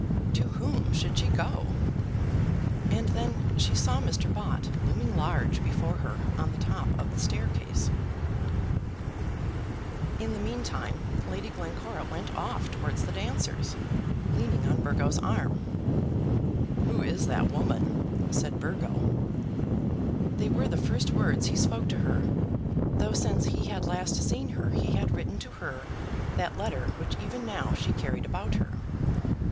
To whom should she go? And then she saw Mr. Bott looming large before her on the top of the staircase. [Illustration: Mr. Bott on the watch.] In the meantime Lady Glencora went off towards the dancers, leaning on Burgo's arm. "Who is that woman?" said Burgo. They were the first words he spoke to her, though since he had last seen her he had written to her that letter which even now she carried about her.